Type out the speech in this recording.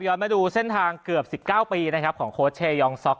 ยอดมาดูเส้นทางเกือบ๑๙ปีของโคสเชยองซ็อก